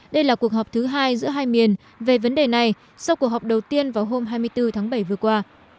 đây là cuộc họp thứ hai giữa hai miền về vấn đề này sau cuộc họp đầu tiên vào hôm hai mươi bốn tháng bảy vừa qua